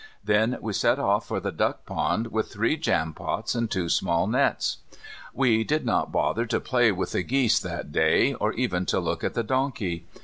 Then we set off for the duck pond with three jam pots and two small nets. We did not bother to play with the geese that day or even to look at the donkey.